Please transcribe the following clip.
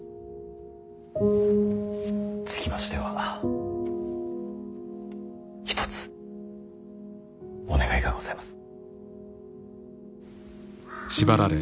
つきましては一つお願いがございます。